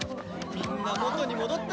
みんな元に戻った！